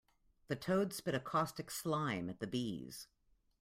The toad spit a caustic slime at the bees.